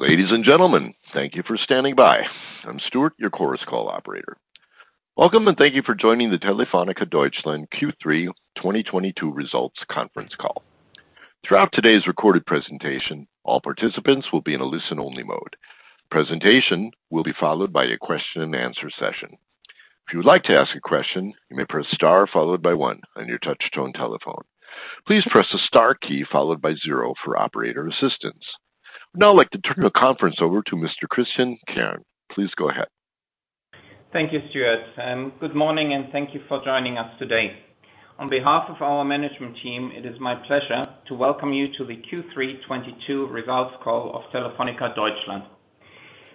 Ladies and gentlemen, thank you for standing by. I'm Stuart, your Chorus Call operator. Welcome, and thank you for joining the Telefónica Deutschland Q3 2022 Results Conference Call. Throughout today's recorded presentation, all participants will be in a listen-only mode. Presentation will be followed by a question-and-answer session. If you would like to ask a question, you may press star followed by one on your touch-tone telephone. Please press the star key followed by zero for operator assistance. I'd now like to turn the conference over to Mr. Christian Kern. Please go ahead. Thank you, Stuart. Good morning and thank you for joining us today. On behalf of our management team, it is my pleasure to welcome you to the Q3 2022 Results Call of Telefónica Deutschland.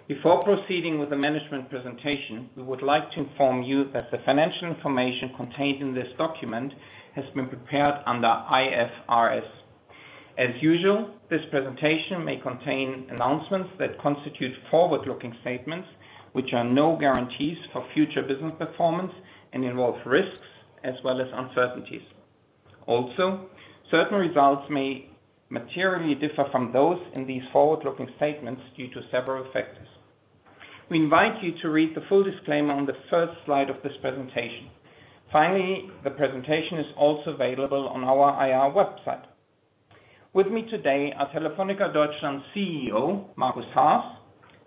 Before proceeding with the management presentation, we would like to inform you that the financial information contained in this document has been prepared under IFRS. As usual, this presentation may contain announcements that constitute forward-looking statements, which are no guarantees for future business performance and involve risks as well as uncertainties. Certain results may materially differ from those in these forward-looking statements due to several factors. We invite you to read the full disclaimer on the first slide of this presentation. Finally, the presentation is also available on our IR website. With me today are Telefónica Deutschland CEO, Markus Haas,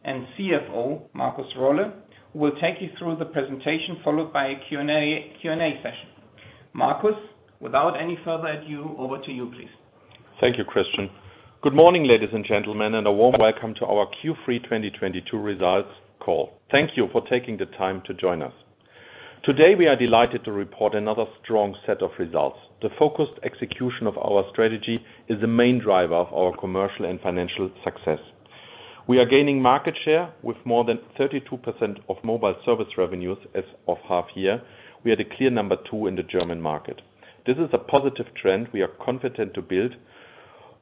and CFO, Markus Rolle, who will take you through the presentation, followed by a Q&A session. Markus, without any further ado, over to you, please. Thank you, Christian. Good morning, ladies and gentlemen, and a warm welcome to our Q3 2022 results call. Thank you for taking the time to join us. Today, we are delighted to report another strong set of results. The focused execution of our strategy is the main driver of our commercial and financial success. We are gaining market share with more than 32% of mobile service revenues as of half year. We are the clear number two in the German market. This is a positive trend we are confident to build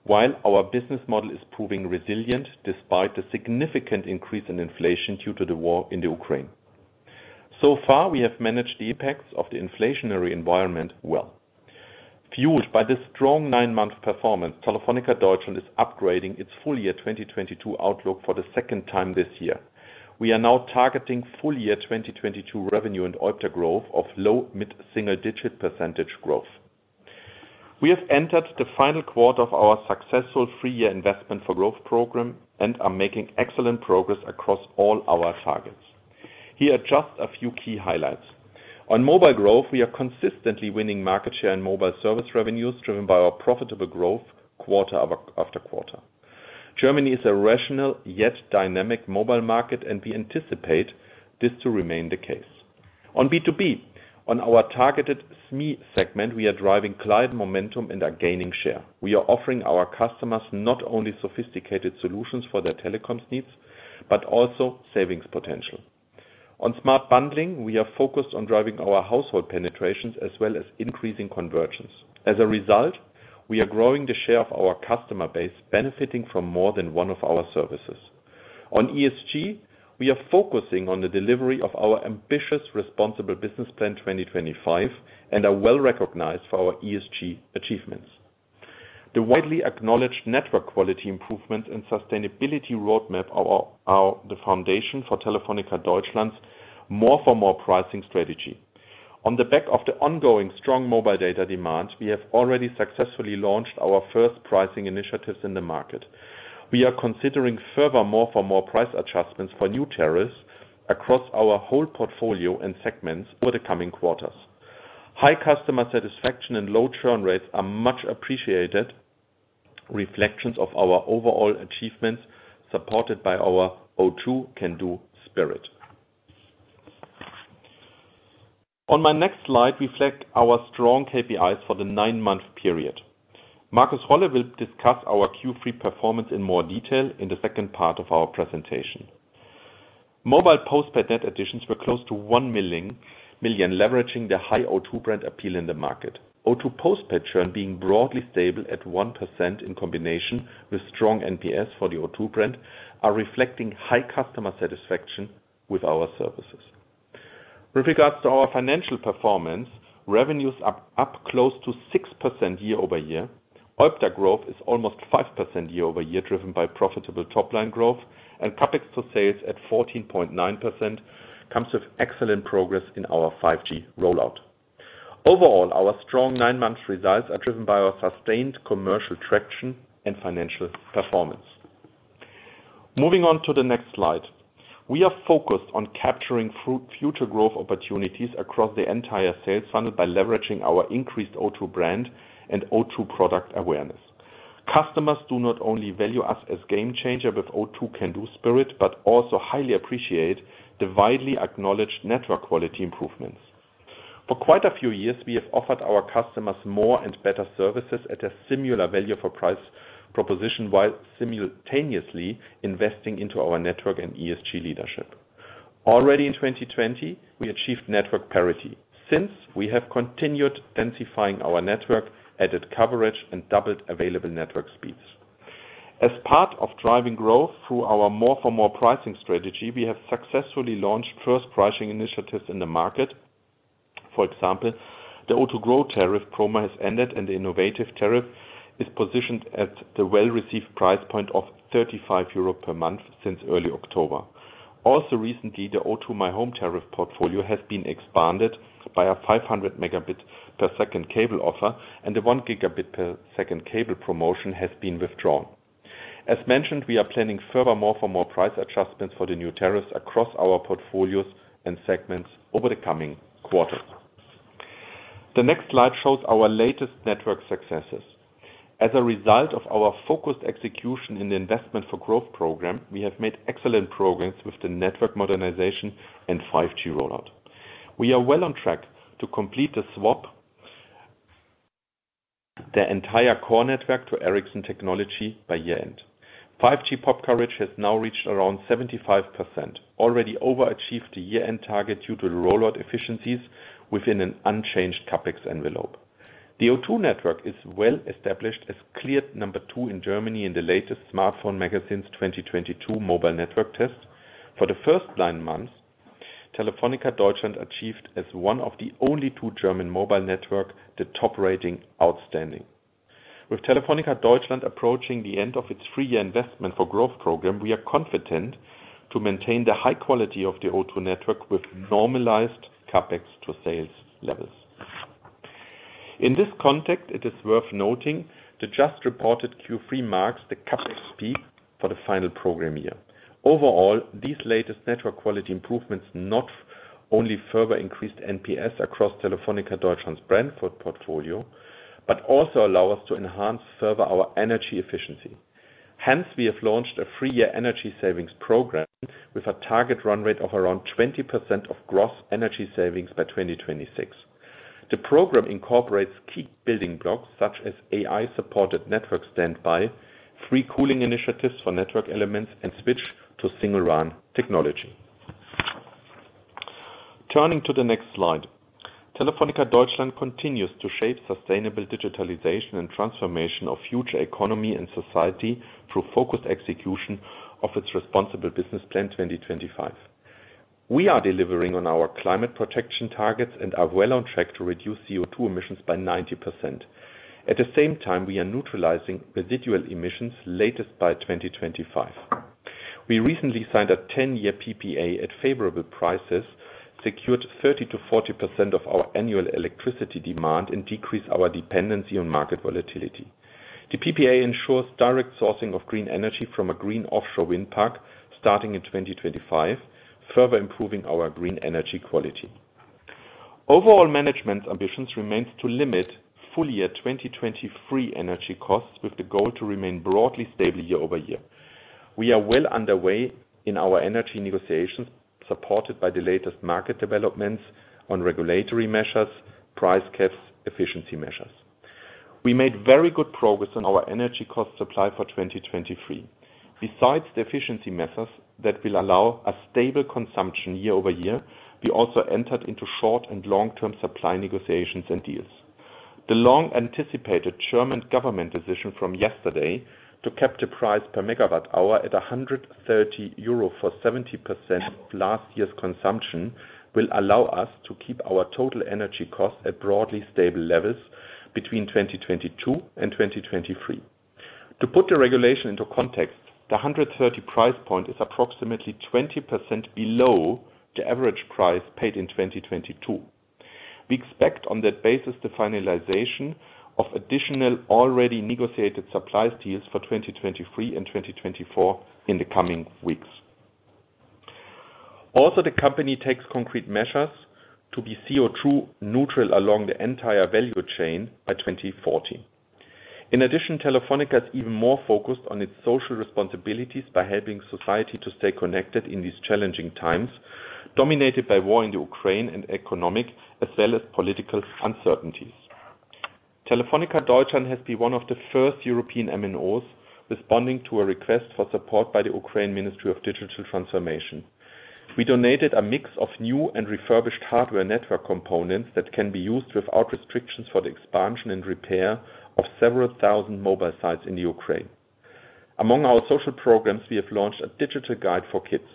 while our business model is proving resilient despite the significant increase in inflation due to the war in the Ukraine. Far, we have managed the impacts of the inflationary environment well. Fueled by the strong nine-month performance, Telefónica Deutschland is upgrading its full-year 2022 outlook for the second time this year. We are now targeting full year 2022 revenue and OIBDA growth of low mid-single digit percentage growth. We have entered the final quarter of our successful three-year Investment for Growth program and are making excellent progress across all our targets. Here are just a few key highlights. On mobile growth, we are consistently winning market share and mobile service revenues driven by our profitable growth quarter after quarter. Germany is a rational yet dynamic mobile market, and we anticipate this to remain the case. On B2B, on our targeted SME segment, we are driving client momentum and are gaining share. We are offering our customers not only sophisticated solutions for their telecoms needs but also savings potential. On smart bundling, we are focused on driving our household penetrations as well as increasing conversions. As a result, we are growing the share of our customer base benefiting from more than one of our services. On ESG, we are focusing on the delivery of our ambitious responsible business plan 2025 and are well-recognized for our ESG achievements. The widely acknowledged network quality improvement and sustainability roadmap are the foundation for Telefónica Deutschland's more for more pricing strategy. On the back of the ongoing strong mobile data demand, we have already successfully launched our first pricing initiatives in the market. We are considering furthermore for more price adjustments for new tariffs across our whole portfolio and segments over the coming quarters. High customer satisfaction and low churn rates are much appreciated reflections of our overall achievements, supported by our O2 can do spirit. On my next slide reflect our strong KPIs for the nine-month period. Markus Rolle will discuss our Q3 performance in more detail in the second part of our presentation. Mobile post-paid net additions were close to 1 million, leveraging the high O2 brand appeal in the market. O2 post-paid churn being broadly stable at 1% in combination with strong NPS for the O2 brand are reflecting high customer satisfaction with our services. With regards to our financial performance, revenues are up close to 6% year-over-year. OIBDA growth is almost 5% year-over-year, driven by profitable top-line growth. CapEx to sales at 14.9% comes with excellent progress in our 5G rollout. Overall, our strong nine-month results are driven by our sustained commercial traction and financial performance. Moving on to the next slide. We are focused on capturing future growth opportunities across the entire sales funnel by leveraging our increased O2 brand and O2 product awareness. Customers do not only value us as game changer with O2 can do spirit but also highly appreciate the widely acknowledged network quality improvements. For quite a few years, we have offered our customers more and better services at a similar value for price proposition while simultaneously investing into our network and ESG leadership. Already in 2020, we achieved network parity. Since we have continued densifying our network, added coverage, and doubled available network speeds. As part of driving growth through our more for more pricing strategy, we have successfully launched first pricing initiatives in the market. For example, the O2 Grow tariff promo has ended, and the innovative tariff is positioned at the well-received price point of 35 euro per month since early October. Recently, the O2 my Home tariff portfolio has been expanded by a 500 Mbps cable offer, and the 1 Gbps cable promotion has been withdrawn. As mentioned, we are planning furthermore for more price adjustments for the new tariffs across our portfolios and segments over the coming quarters. The next slide shows our latest network successes. As a result of our focused execution in the Investment for Growth program, we have made excellent progress with the network modernization and 5G rollout. We are well on track to complete the swap the entire core network to Ericsson technology by year-end. 5G pop coverage has now reached around 75%, already overachieved the year-end target due to the rollout efficiencies within an unchanged CapEx envelope. The O2 network is well established as clear number two in Germany in the latest Smartphone Magazin's 2022 mobile network test. For the first nine months, Telefónica Deutschland achieved, as one of the only two German mobile networks, the top rating outstanding. With Telefónica Deutschland approaching the end of its three-year Investment for Growth program, we are confident to maintain the high quality of the O2 network with normalized CapEx-to-sales levels. In this context, it is worth noting the just reported Q3 marks the CapEx peak for the final program year. Overall, these latest network quality improvements not only further increased NPS across Telefónica Deutschland's brand footprint portfolio, but also allow us to enhance further our energy efficiency. Hence, we have launched a three-year energy savings program with a target run rate of around 20% of gross energy savings by 2026. The program incorporates key building blocks such as AI-supported network standby, free cooling initiatives for network elements, and switch to single RAN technology. Turning to the next slide. Telefónica Deutschland continues to shape sustainable digitalization and transformation of future economy and society through focused execution of its responsible business plan 2025. We are delivering on our climate protection targets and are well on track to reduce CO2 emissions by 90%. At the same time, we are neutralizing residual emissions latest by 2025. We recently signed a 10-year PPA at favorable prices, secured 30%-40% of our annual electricity demand, and decreased our dependency on market volatility. The PPA ensures direct sourcing of green energy from a green offshore wind park starting in 2025, further improving our green energy quality. Overall, management's ambition remains to limit full year 2023 energy costs with the goal to remain broadly stable year-over-year. We are well underway in our energy negotiations, supported by the latest market developments on regulatory measures, price caps, efficiency measures. We made very good progress on our energy cost supply for 2023. Besides the efficiency measures that will allow a stable consumption year-over-year, we also entered into short and long-term supply negotiations and deals. The long-anticipated German government decision from yesterday to cap the price per megawatt hour at 130 euro for 70% of last year's consumption will allow us to keep our total energy costs at broadly stable levels between 2022 and 2023. To put the regulation into context, the 130 price point is approximately 20% below the average price paid in 2022. We expect on that basis the finalization of additional already negotiated supplies deals for 2023 and 2024 in the coming weeks. Also, the company takes concrete measures to be CO2 neutral along the entire value chain by 2040. In addition, Telefónica is even more focused on its social responsibilities by helping society to stay connected in these challenging times, dominated by war in the Ukraine and economic as well as political uncertainties. Telefónica Deutschland has been one of the first European MNOs responding to a request for support by the Ukraine Ministry of Digital Transformation. We donated a mix of new and refurbished hardware network components that can be used without restrictions for the expansion and repair of several thousand mobile sites in the Ukraine. Among our social programs, we have launched a digital guide for kids.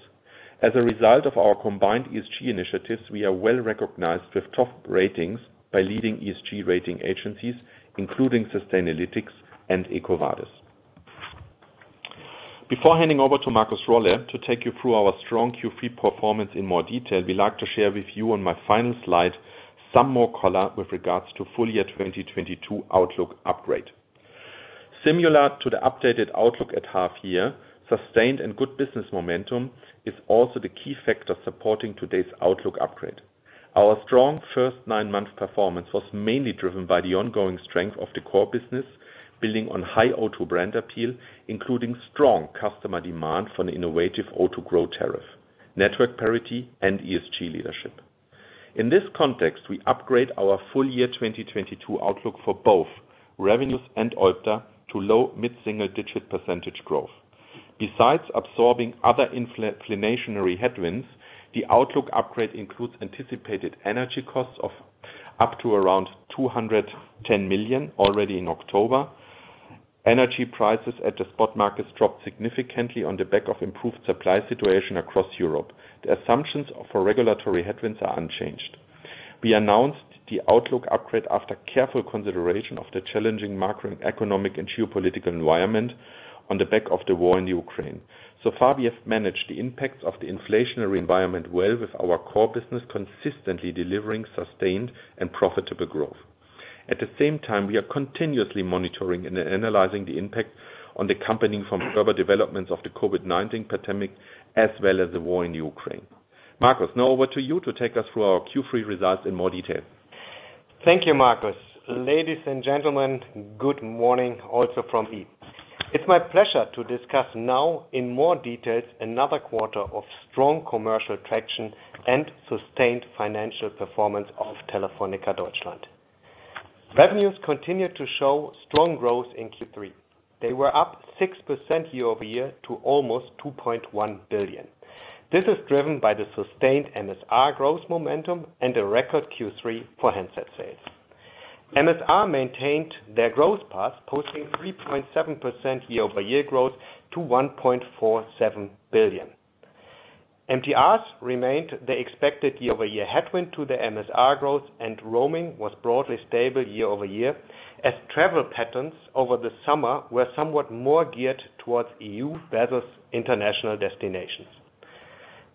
As a result of our combined ESG initiatives, we are well-recognized with top ratings by leading ESG rating agencies, including Sustainalytics and EcoVadis. Before handing over to Markus Rolle to take you through our strong Q3 performance in more detail, we'd like to share with you on my final slide some more color with regards to full year 2022 outlook upgrade. Similar to the updated outlook at half year, sustained and good business momentum is also the key factor supporting today's outlook upgrade. Our strong first nine-month performance was mainly driven by the ongoing strength of the core business, building on high O2 brand appeal, including strong customer demand for an innovative O2 Grow tariff, network parity, and ESG leadership. In this context, we upgrade our full year 2022 outlook for both revenues and OIBDA to low- to mid-single-digit % growth. Besides absorbing other inflationary headwinds, the outlook upgrade includes anticipated energy costs of up to around 210 million already in October. Energy prices at the spot markets dropped significantly on the back of improved supply situation across Europe. The assumptions of our regulatory headwinds are unchanged. We announced the outlook upgrade after careful consideration of the challenging macroeconomic and geopolitical environment on the back of the war in Ukraine. So far, we have managed the impacts of the inflationary environment well with our core business consistently delivering sustained and profitable growth. At the same time, we are continuously monitoring and analyzing the impact on the company from further developments of the COVID-19 pandemic, as well as the war in Ukraine. Markus, now over to you to take us through our Q3 results in more detail. Thank you, Markus. Ladies and gentlemen, good morning also from me. It's my pleasure to discuss now in more details another quarter of strong commercial traction and sustained financial performance of Telefónica Deutschland. Revenues continued to show strong growth in Q3. They were up 6% year-over-year to almost 2.1 billion. This is driven by the sustained MSR growth momentum and a record Q3 for handset sales. MSR maintained their growth path, posting 3.7% year-over-year growth to 1.47 billion. MTRs remained the expected year-over-year headwind to the MSR growth, and roaming was broadly stable year-over-year, as travel patterns over the summer were somewhat more geared towards EU versus international destinations.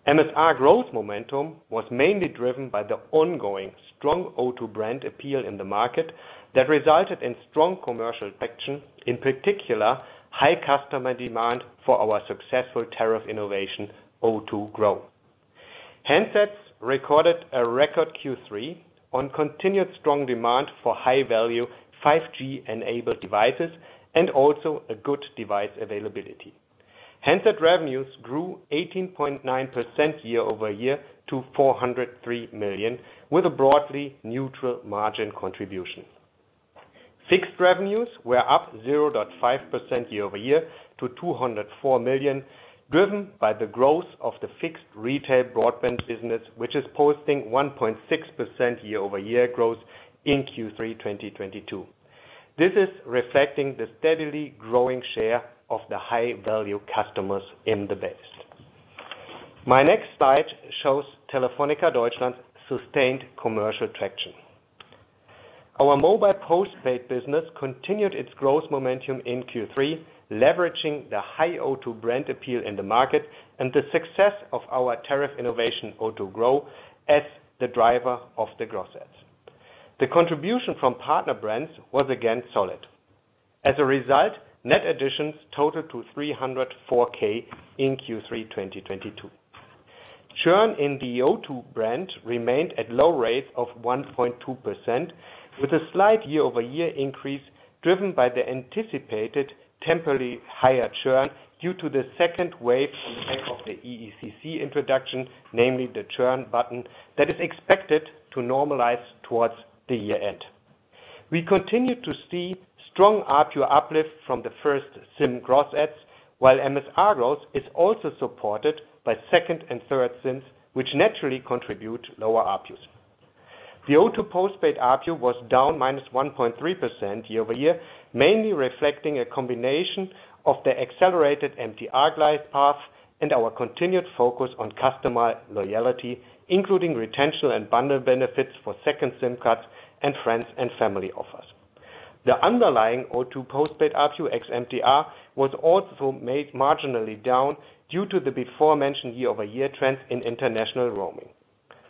MSR growth momentum was mainly driven by the ongoing strong O2 brand appeal in the market that resulted in strong commercial traction, in particular, high customer demand for our successful tariff innovation O2 Grow. Handsets recorded a record Q3 on continued strong demand for high-value 5G-enabled devices and also a good device availability. Handset revenues grew 18.9% year-over-year to 403 million, with a broadly neutral margin contribution. Fixed revenues were up 0.5% year-over-year to 204 million, driven by the growth of the fixed retail broadband business, which is posting 1.6% year-over-year growth in Q3 2022. This is reflecting the steadily growing share of the high-value customers in the base. My next slide shows Telefónica Deutschland's sustained commercial traction. Our mobile postpaid business continued its growth momentum in Q3, leveraging the high O2 brand appeal in the market and the success of our tariff innovation O2 Grow as the driver of the growth sets. The contribution from partner brands was again solid. As a result, net additions totaled to 304,000 in Q3, 2022. Churn in the O2 brand remained at low rates of 1.2%, with a slight year-over-year increase driven by the anticipated temporarily higher churn due to the second wave on back of the EECC introduction, namely the churn bump, that is expected to normalize towards the year-end. We continue to see strong ARPU uplift from the first SIM gross adds, while MSR growth is also supported by second and third SIMs, which naturally contribute lower ARPUs. The O2 postpaid ARPU was down -1.3% year-over-year, mainly reflecting a combination of the accelerated MTR glide path and our continued focus on customer loyalty, including retention and bundle benefits for second SIM cards and friends and family offers. The underlying O2 postpaid ARPU ex MTR was marginally down due to the aforementioned year-over-year trends in international roaming.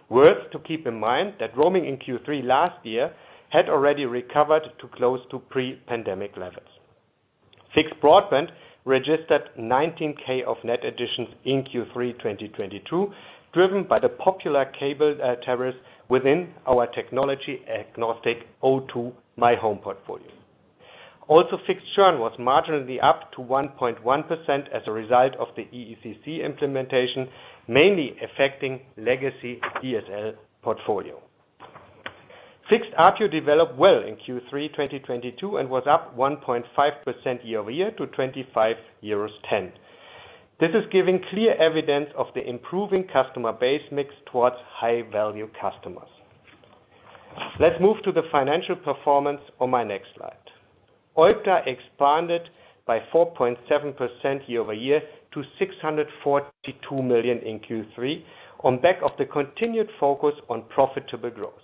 Worth keeping in mind that roaming in Q3 last year had already recovered to close to pre-pandemic levels. Fixed broadband registered 19,000 net additions in Q3 2022, driven by the popular cable tariffs within our technology-agnostic O2 my Home portfolio. Also, fixed churn was marginally up to 1.1% as a result of the EECC implementation, mainly affecting legacy DSL portfolio. Fixed ARPU developed well in Q3 2022, and was up 1.5% year-over-year to 25.10 euros. This is giving clear evidence of the improving customer base mix towards high-value customers. Let's move to the financial performance on my next slide. OIBDA expanded by 4.7% year-over-year to 642 million in Q3 on the back of the continued focus on profitable growth.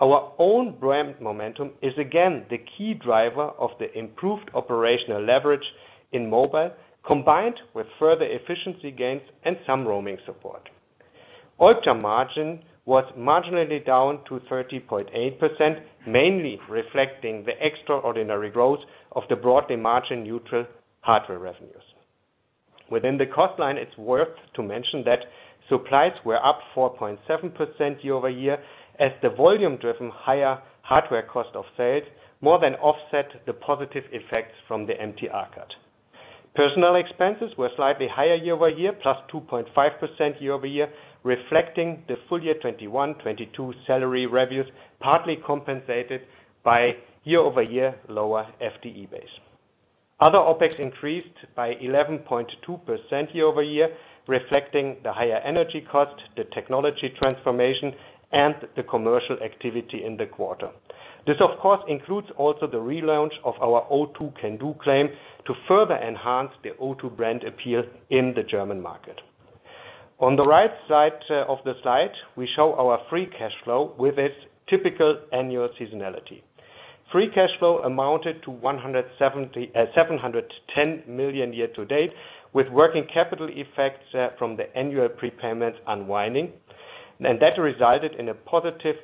Our own brand momentum is again the key driver of the improved operational leverage in mobile, combined with further efficiency gains and some roaming support. OIBDA margin was marginally down to 30.8%, mainly reflecting the extraordinary growth of the broadly margin neutral hardware revenues. Within the cost line, it's worth mentioning that supplies were up 4.7% year-over-year as the volume-driven higher hardware cost of sales more than offset the positive effects from the MTR cut. Personnel expenses were slightly higher year-over-year, +2.5% year-over-year, reflecting the full year 2021-2022 salary reviews, partly compensated by year-over-year lower FTE base. Other OpEx increased by 11.2% year-over-year, reflecting the higher energy cost, the technology transformation, and the commercial activity in the quarter. This, of course, also includes the relaunch of our O2 can do claim to further enhance the O2 brand appeal in the German market. On the right side of the slide, we show our free cash flow with its typical annual seasonality. Free cash flow amounted to 710 million year to date, with working capital effects from the annual prepayments unwinding. That resulted in a positive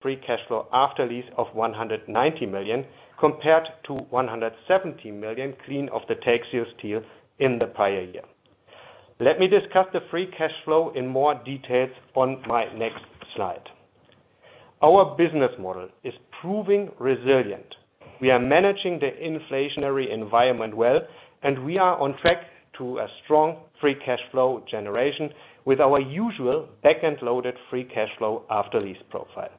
free cash flow after lease of 190 million, compared to 170 million clean of the Telxius deal in the prior year. Let me discuss the free cash flow in more details on my next slide. Our business model is proving resilient. We are managing the inflationary environment well, and we are on track to a strong free cash flow generation with our usual back-end loaded free cash flow after lease profile.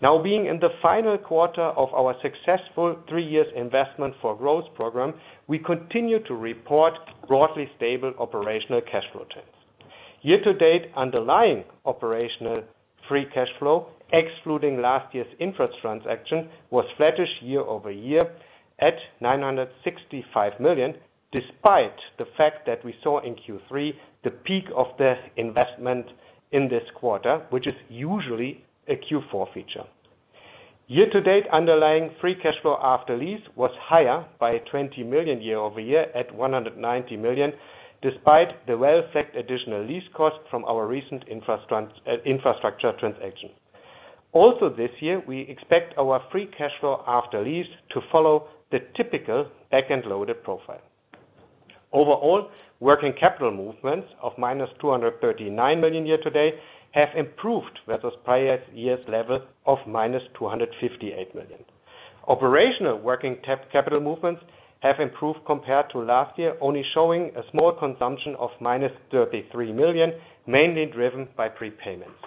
Now, being in the final quarter of our successful three-year Investment for Growth program, we continue to report broadly stable operational cash flow trends. Year to date, underlying operational free cash flow, excluding last year's infrastructure transaction, was flattish year-over-year at 965 million, despite the fact that we saw in Q3 the peak of the investment in this quarter, which is usually a Q4 feature. Year to date, underlying free cash flow after lease was higher by 20 million year-over-year at 190 million, despite the full effect additional lease costs from our recent infrastructure transaction. Also this year, we expect our free cash flow after lease to follow the typical back-end loaded profile. Overall, working capital movements of -239 million year to date have improved versus prior year's level of -258 million. Operational working capital movements have improved compared to last year, only showing a small consumption of -33 million, mainly driven by prepayments.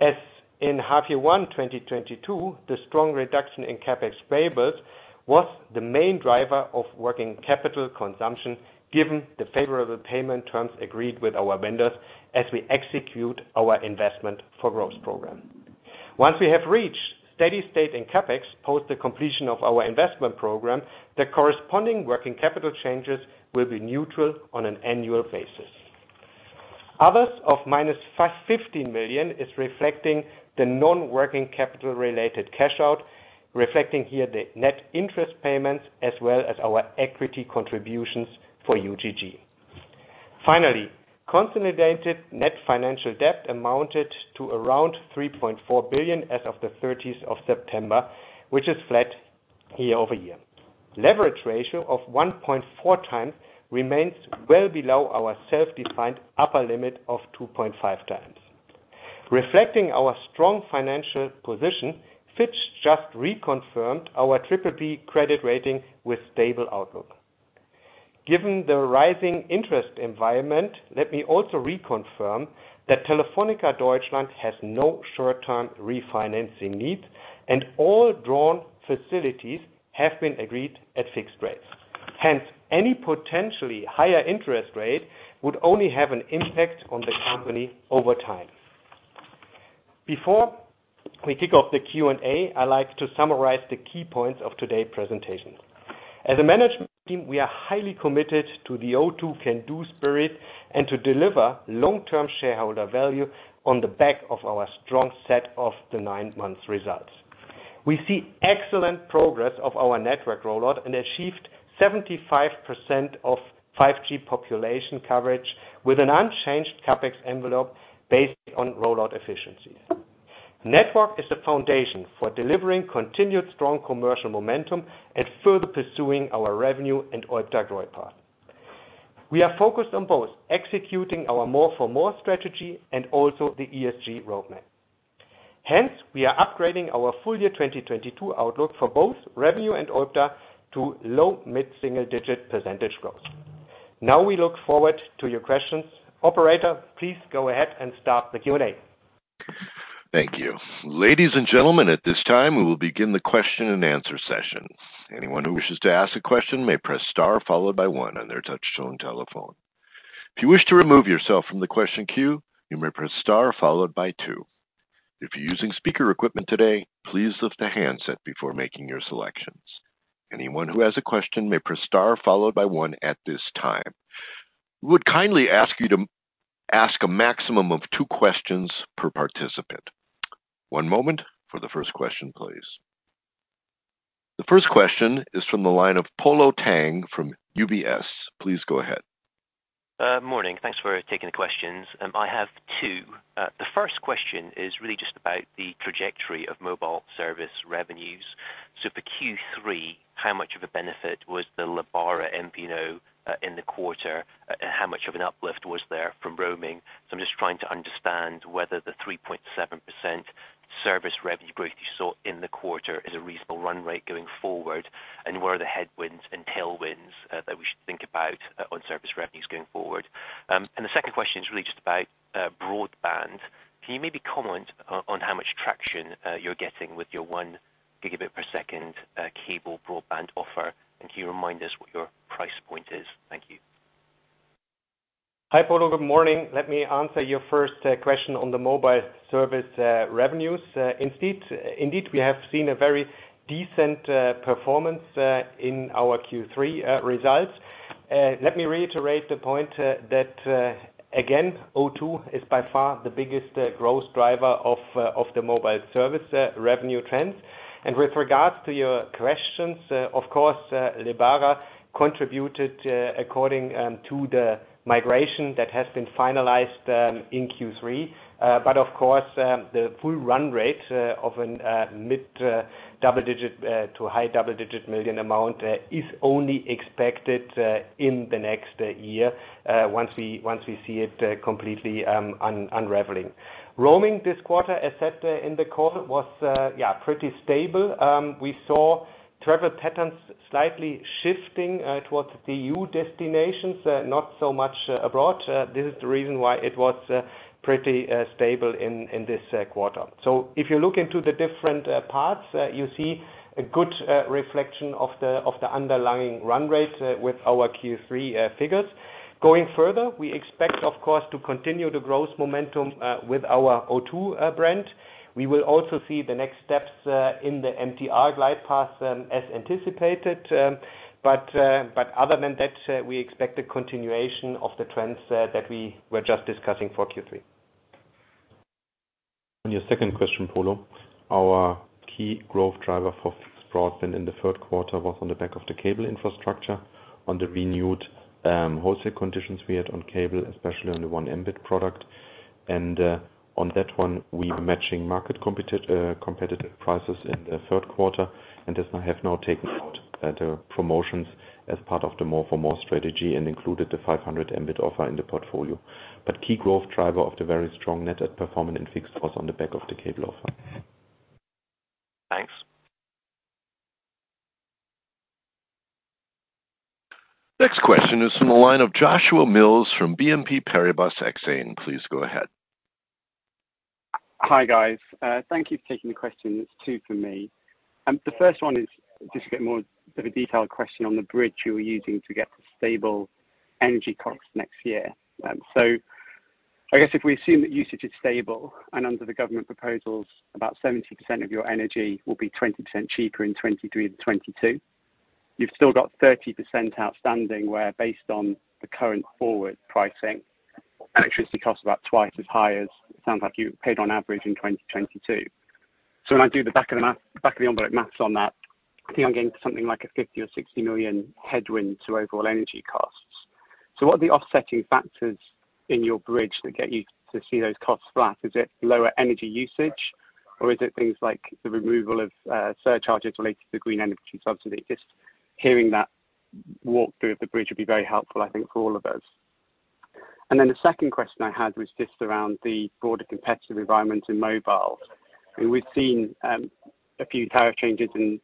As in H1 2022, the strong reduction in CapEx payables was the main driver of working capital consumption, given the favorable payment terms agreed with our vendors as we execute our Investment for Growth program. Once we have reached steady state in CapEx post the completion of our investment program, the corresponding working capital changes will be neutral on an annual basis. Others of -50 million is reflecting the non-working capital related cash out, reflecting here the net interest payments as well as our equity contributions for UGG. Finally, consolidated net financial debt amounted to around 3.4 billion as of September 30th, which is flat year-over-year. Leverage ratio of 1.4x remains well below our self-defined upper limit of 2.5x. Reflecting our strong financial position, Fitch just reconfirmed our BBB credit rating with stable outlook. Given the rising interest environment, let me also reconfirm that Telefónica Deutschland has no short-term refinancing needs, and all drawn facilities have been agreed at fixed rates. Hence, any potentially higher interest rate would only have an impact on the company over time. Before we kick off the Q&A, I like to summarize the key points of today's presentation. As a management team, we are highly committed to the O2 can do spirit and to deliver long-term shareholder value on the back of our strong set of the nine-month results. We see excellent progress of our network rollout and achieved 75% of 5G population coverage with an unchanged CapEx envelope based on rollout efficiencies. Network is the foundation for delivering continued strong commercial momentum and further pursuing our revenue and OIBDA growth path. We are focused on both executing our more for more strategy and also the ESG roadmap. Hence, we are upgrading our full year 2022 outlook for both revenue and OIBDA to low mid-single digit percentage growth. Now we look forward to your questions. Operator, please go ahead and start the Q&A. Thank you. Ladies and gentlemen, at this time, we will begin the question and answer session. Anyone who wishes to ask a question may press star followed by one on their touchtone telephone. If you wish to remove yourself from the question queue, you may press star followed by two. If you're using speaker equipment today, please lift the handset before making your selections. Anyone who has a question may press star followed by one at this time. We would kindly ask you to ask a maximum of two questions per participant. One moment for the first question, please. The first question is from the line of Polo Tang from UBS. Please go ahead. Morning. Thanks for taking the questions, and I have two. The first question is really just about the trajectory of mobile service revenues. For Q3, how much of a benefit was the Lebara MVNO in the quarter? How much of an uplift was there from roaming? I'm just trying to understand whether the 3.7% service revenue growth you saw in the quarter is a reasonable run rate going forward. What are the headwinds and tailwinds that we should think about on service revenues going forward? The second question is really just about broadband. Can you maybe comment on how much traction you're getting with your 1 Gb per second cable broadband offer, and can you remind us what your price point is? Thank you. Hi, Polo. Good morning. Let me answer your first question on the mobile service revenues. Indeed, we have seen a very decent performance in our Q3 results. Let me reiterate the point that again, O2 is by far the biggest growth driver of the mobile service revenue trends. With regards to your questions, of course, Lebara contributed according to the migration that has been finalized in Q3. But of course, the full run rate of a mid-double digit to high double digit million amount is only expected in the next year, once we see it completely unraveling. Roaming this quarter, as said, in the call was pretty stable. We saw travel patterns slightly shifting towards the EU destinations, not so much abroad. This is the reason why it was pretty stable in this quarter. If you look into the different parts, you see a good reflection of the underlying run rate with our Q3 figures. Going further, we expect, of course, to continue to growth momentum with our O2 brand. We will also see the next steps in the MTR glide path as anticipated. Other than that, we expect a continuation of the trends that we were just discussing for Q3. On your second question, Polo, our key growth driver for fixed broadband in the third quarter was on the back of the cable infrastructure on the renewed wholesale conditions we had on cable, especially on the 1 Mb product. On that one, we're matching market competitive prices in the third quarter. As I have now taken out the promotions as part of the More for More strategy and included the 500 Mb offer in the portfolio. Key growth driver of the very strong net add performance in fixed was on the back of the cable offer. Thanks. Next question is from the line of Joshua Mills from BNP Paribas Exane. Please go ahead. Hi, guys. Thank you for taking the question. It's two for me. The first one is just to get more of a detailed question on the bridge you were using to get the stable energy costs next year. I guess if we assume that usage is stable, and under the government proposals, about 70% of your energy will be 20% cheaper in 2023 and 2022. You've still got 30% outstanding, where based on the current forward pricing, electricity costs about twice as high as it sounds like you paid on average in 2022. When I do the back of the envelope math on that, I think I'm getting something like a 50 million or 60 million headwind to overall energy costs. What are the offsetting factors in your bridge that get you to see those costs flat? Is it lower energy usage, or is it things like the removal of surcharges related to the green energy subsidy? Just hearing that walk through of the bridge would be very helpful, I think, for all of us. Then the second question I had was just around the broader competitive environment in mobile. We've seen a few tariff changes in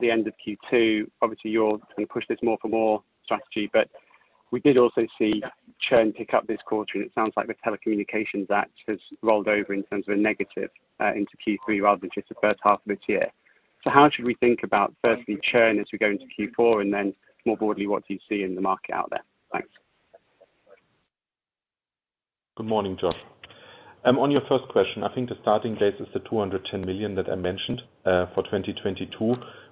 the end of Q2. Obviously, you're gonna push this more for more strategy, but we did also see churn pick up this quarter, and it sounds like the Telecommunications Act has rolled over in terms of a negative into Q3 rather than just the first half of this year. How should we think about, firstly, churn as we go into Q4? Then more broadly, what do you see in the market out there? Thanks. Good morning, Josh. On your first question, I think the starting place is the 210 million that I mentioned for 2022.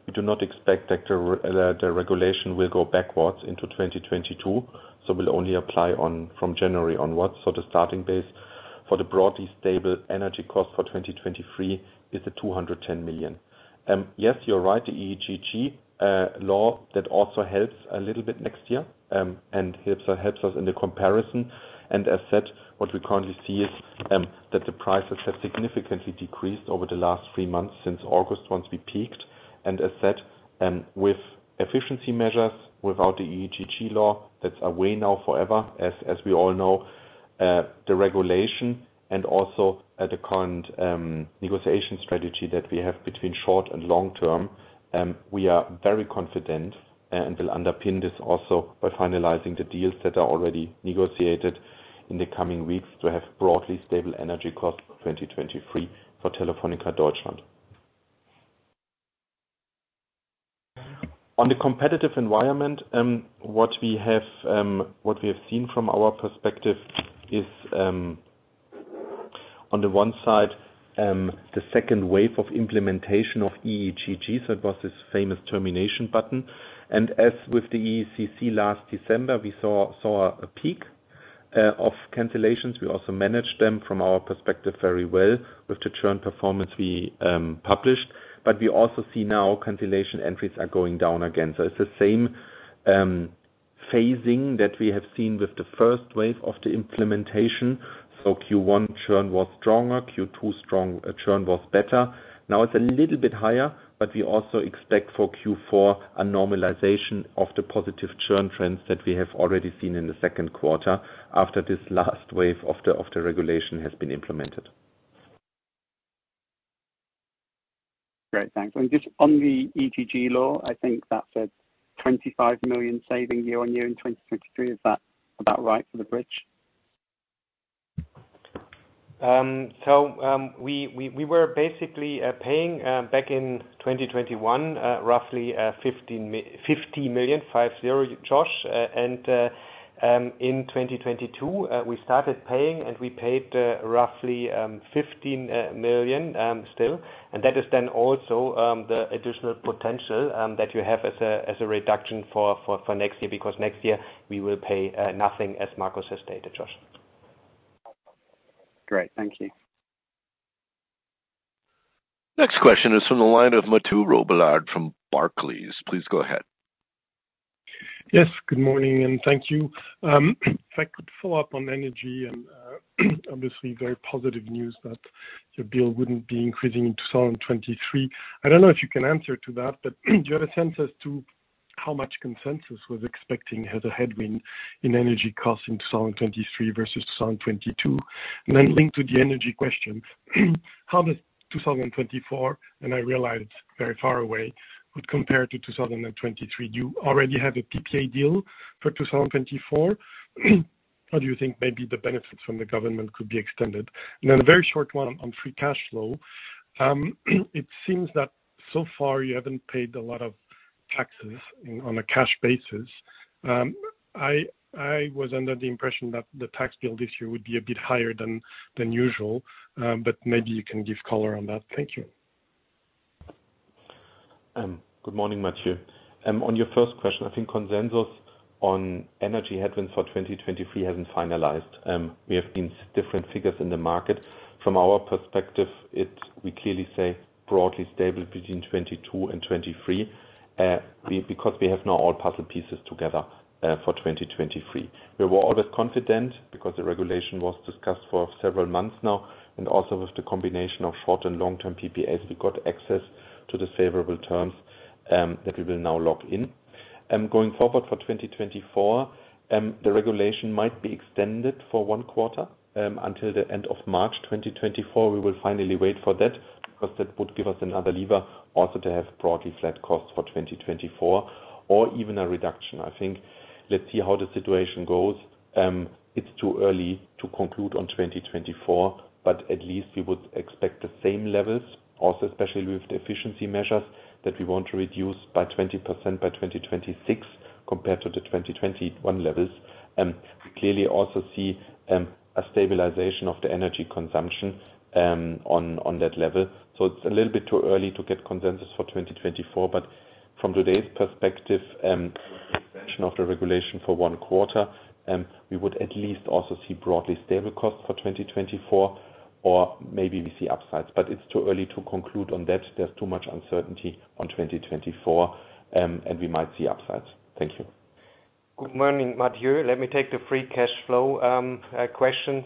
We do not expect that the regulation will go backwards into 2022, so will only apply on, from January onwards. The starting base for the broadly stable energy cost for 2023 is the 210 million. Yes, you're right. The EEG law that also helps a little bit next year, and helps us in the comparison. As said, what we currently see is that the prices have significantly decreased over the last three months since August, once we peaked. As said, with efficiency measures, without the EECC law, that's away now forever, as we all know. The regulation and also the current negotiation strategy that we have between short and long term, we are very confident and will underpin this also by finalizing the deals that are already negotiated in the coming weeks to have broadly stable energy costs for 2023 for Telefónica Deutschland. On the competitive environment, what we have seen from our perspective is, on the one side, the second wave of implementation of EECC, that was this famous termination button. As with the EECC last December, we saw a peak of cancellations. We also managed them from our perspective very well with the churn performance we published. We also see now cancellation entries are going down again. It's the same phasing that we have seen with the first wave of the implementation. Q1 churn was stronger. Q2 strong, churn was better. Now it's a little bit higher, but we also expect for Q4 a normalization of the positive churn trends that we have already seen in the second quarter after this last wave of the regulation has been implemented. Great, thanks. Just on the EECC law, I think that's a 25 million saving year-on-year in 2023. Is that about right for the bridge? We were basically paying back in 2021 roughly 15 million-50 million, Josh. In 2022, we started paying and we paid roughly 15 million still. That is then also the additional potential that you have as a reduction for next year. Because next year we will pay nothing as Markus has stated, Josh. Great, thank you. Next question is from the line of Mathieu Robilliard from Barclays. Please go ahead. Yes, good morning and thank you. If I could follow up on energy and obviously very positive news that your bill wouldn't be increasing in 2023. I don't know if you can answer to that, but do you have a sense as to how much consensus was expecting as a headwind in energy costs in 2023 versus 2022? Linked to the energy question, how does 2024, and I realize it's very far away, would compare to 2023? Do you already have a PPA deal for 2024? Or do you think maybe the benefits from the government could be extended? A very short one on free cashflow. It seems that so far you haven't paid a lot of taxes on a cash basis. I was under the impression that the tax bill this year would be a bit higher than usual. Maybe you can give color on that. Thank you. Good morning, Mathieu. On your first question, I think consensus on energy headwinds for 2023 hasn't finalized. We have seen different figures in the market. From our perspective, it's. We clearly say broadly stable between 2022 and 2023, because we have now all puzzle pieces together, for 2023. We were always confident because the regulation was discussed for several months now, and also with the combination of short and long-term PPAs, we got access to the favorable terms, that we will now lock in. Going forward for 2024, the regulation might be extended for one quarter, until the end of March 2024. We will finally wait for that because that would give us another lever also to have broadly flat costs for 2024 or even a reduction. I think let's see how the situation goes. It's too early to conclude on 2024, but at least we would expect the same levels also, especially with the efficiency measures that we want to reduce by 20% by 2026 compared to the 2021 levels. We clearly also see a stabilization of the energy consumption on that level. It's a little bit too early to get consensus for 2024, but from today's perspective, extension of the regulation for one quarter, we would at least also see broadly stable costs for 2024 or maybe we see upsides. It's too early to conclude on that. There's too much uncertainty on 2024, and we might see upsides. Thank you. Good morning, Mathieu. Let me take the free cash flow question.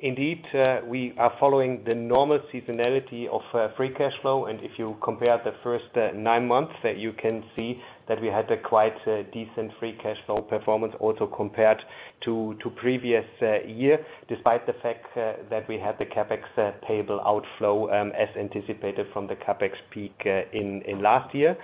Indeed, we are following the normal seasonality of free cash flow, and if you compare the first nine months, you can see that we had a quite decent free cash flow performance also compared to previous year, despite the fact that we had the CapEx payable outflow, as anticipated from the CapEx peak in last year.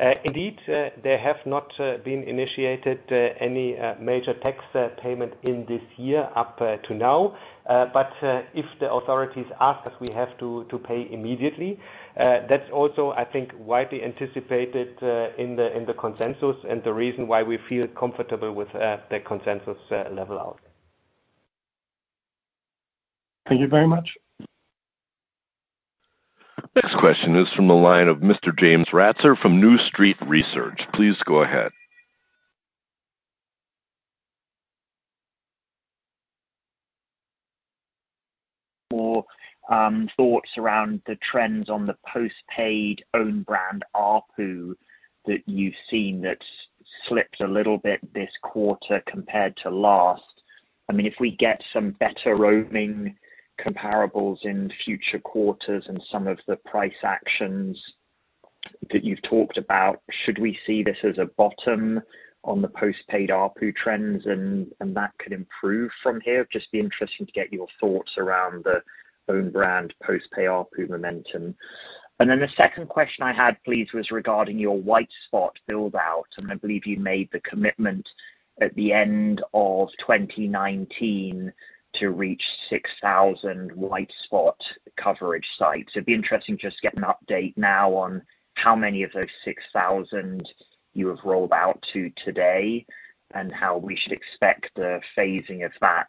Indeed, there have not been initiated any major tax payment in this year up to now. If the authorities ask us, we have to pay immediately. That's also I think widely anticipated in the consensus and the reason why we feel comfortable with the consensus level out. Thank you very much. Next question is from the line of Mr. James Ratzer from New Street Research. Please go ahead. Thoughts around the trends on the postpaid own brand ARPU that you've seen that's slipped a little bit this quarter compared to last. I mean, if we get some better roaming comparables in future quarters and some of the price actions that you've talked about, should we see this as a bottom on the postpaid ARPU trends and that could improve from here? Just be interesting to get your thoughts around the own brand postpay ARPU momentum. Then the second question I had, please, was regarding your white spot build-out. I believe you made the commitment at the end of 2019 to reach 6,000 white spot coverage sites. It'd be interesting just to get an update now on how many of those 6,000 you have rolled out to today, and how we should expect the phasing of that,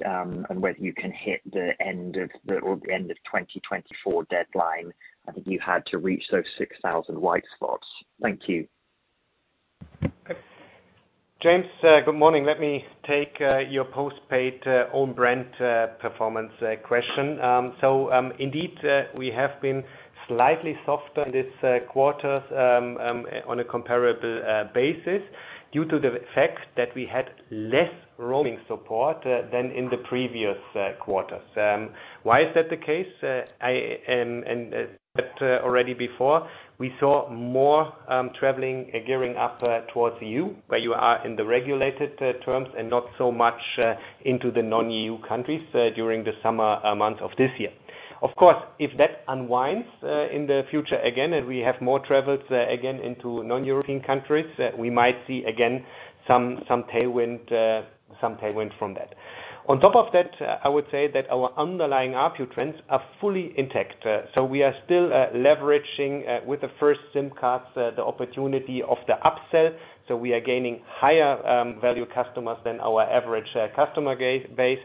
and whether you can hit the end of 2024 deadline. I think you had to reach those 6,000 white spots. Thank you. James, good morning. Let me take your post-paid own brand performance question. Indeed, we have been slightly softer this quarter on a comparable basis due to the fact that we had less roaming support than in the previous quarters. Why is that the case? Already before we saw more traveling gearing up towards EU, where you are in the regulated terms and not so much into the non-EU countries during the summer months of this year. Of course, if that unwinds in the future again, and we have more travels again into non-European countries, we might see again some tailwind from that. On top of that, I would say that our underlying ARPU trends are fully intact. We are still leveraging with the first SIM cards the opportunity of the upsell, so we are gaining higher value customers than our average customer base.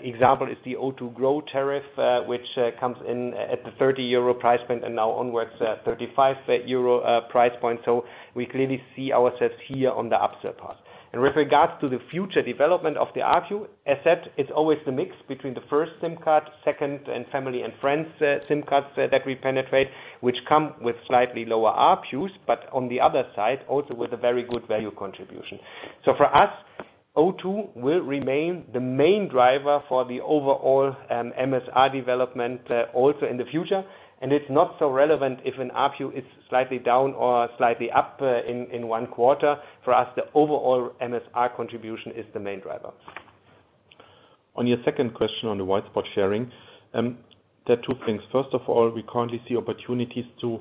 Example is the O2 Grow tariff, which comes in at the 30 euro price point, and now onwards at 35 euro price point. We clearly see ourselves here on the upsell path. With regards to the future development of the ARPU aspect, it's always the mix between the first SIM card, second and family and friends SIM cards that we penetrate, which come with slightly lower ARPUs, but on the other side, also with a very good value contribution. For us, O2 will remain the main driver for the overall MSR development also in the future. It's not so relevant if an ARPU is slightly down or slightly up, in one quarter. For us, the overall MSR contribution is the main driver. On your second question on the white spot sharing, there are two things. First of all, we currently see opportunities to